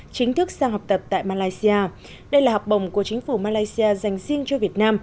chính thức sang học tập tại malaysia đây là học bồng của chính phủ malaysia dành riêng cho việt nam